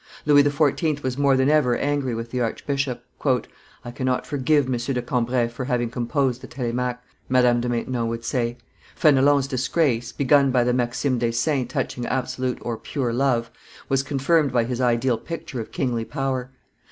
Louis XIV. was more than ever angry with the archbishop. "I cannot forgive M. de Cambrai for having composed the Telemaque," Madame de Maintenon would say. Fenelon's disgrace, begun by the Maximes des Saints touching absolute (pure) love, was confirmed by his ideal picture of kingly power.